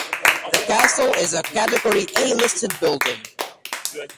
The castle is a Category A listed building.